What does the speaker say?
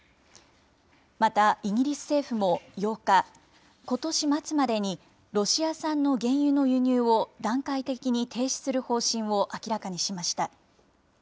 またイギリス政府も、８日、ことし末までにロシア産の原油の輸入を段階的に停止する方針を明らかにしました。